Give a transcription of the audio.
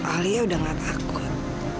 alia udah gak takut